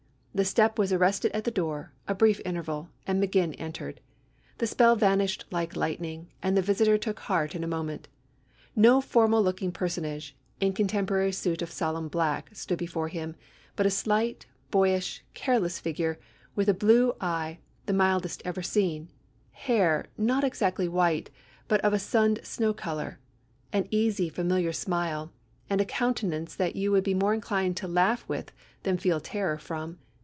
The step was arrested at the door, a brief interval, and Maginn entered. The spell vanished like lightning, and the visitor took heart in a moment. No formal looking personage, in customary suit of solemn black, stood before him, but a slight, boyish, careless figure, with a blue eye, the mildest ever seen hair, not exactly white, but of a sunned snow colour an easy, familiar smile and a countenance that you would be more inclined to laugh with than feel terror from.